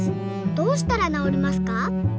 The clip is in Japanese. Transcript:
どうしたら治りますか？」